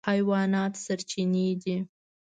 حیوانات سرچینې دي.